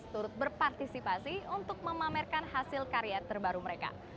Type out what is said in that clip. turut berpartisipasi untuk memamerkan hasil karya terbaru mereka